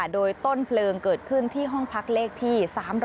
โดยต้นเพลิงเกิดขึ้นที่ห้องพักเลขที่๓๑